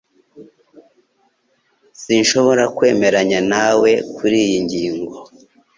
Sinshobora kwemeranya nawe kuriyi ngingo